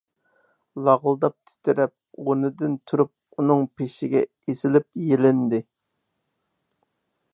لاغىلداپ تىترەپ، ئورنىدىن تۇرۇپ ئۇنىڭ پېشىگە ئېسىلىپ يېلىندى.